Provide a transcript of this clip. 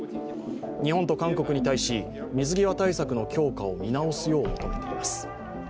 日本と韓国に対し、水際対策の強化を見直すよう求めています。